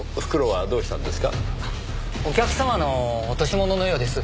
お客様の落とし物のようです。